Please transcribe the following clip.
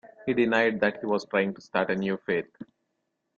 He denied that he was trying to start a "new faith".